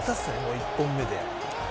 １本目で。